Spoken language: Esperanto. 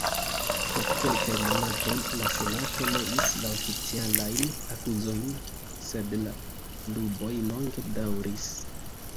Post kelkaj monatoj, la Senato neis la oficialajn akuzojn sed la duboj longe daŭris.